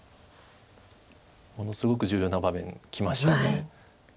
ものすごく重要な場面にきました。